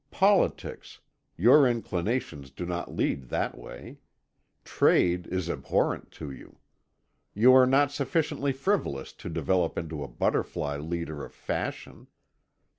Politics your inclinations do not lead that way; trade is abhorrent to you. You are not sufficiently frivolous to develop into a butterfly leader of fashion.